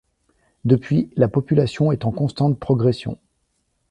Depuis, la population est en constante progression.